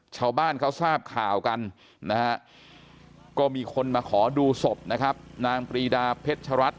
ชาวบ้านเขาทราบข่าวกันนะฮะก็มีคนมาขอดูศพนะครับนางปรีดาเพชรัตน